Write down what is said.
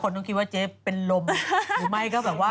ต้องคิดว่าเจ๊เป็นลมหรือไม่ก็แบบว่า